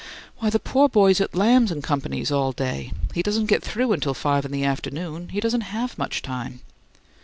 "Why, the poor boy's at Lamb and Company's all day. He doesn't get through until five in the afternoon; he doesn't HAVE much time."